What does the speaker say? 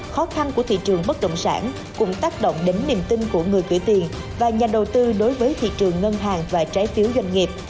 khó khăn của thị trường bất động sản cũng tác động đến niềm tin của người gửi tiền và nhà đầu tư đối với thị trường ngân hàng và trái phiếu doanh nghiệp